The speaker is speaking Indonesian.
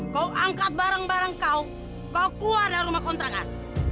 kau angkat barang barang kau keluar dari rumah kontrakan